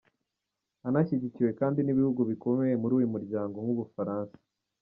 Anashyigikiwe kandi n’ibihugu bikomeye muri uyu muryango nk’u Bufaransa.